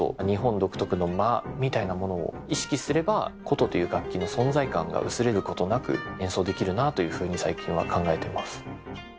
日本独特の「間」みたいなものを意識すれば筝という楽器の存在感が薄れることなく演奏できるなというふうに最近は考えてます。